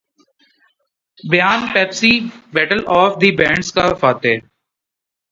بیان Pepsi battle of the bands کا فاتح